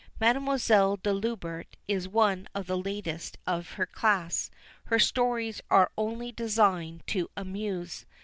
Mademoiselle de Lubert is one of the latest of her class. Her stories are only designed to amuse.